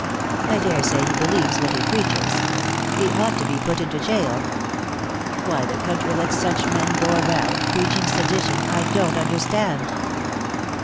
I daresay he believes what he preaches. He ought to be put into jail. Why the country lets such men go around, preaching sedition, I don't understand."